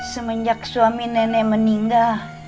semenjak suami nenek meninggal